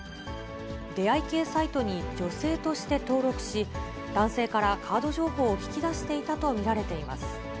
出会い系サイトに女性として登録し、男性からカード情報を聞き出していたと見られています。